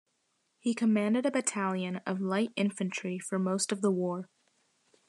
He commanded a battalion of light infantry for most of the war.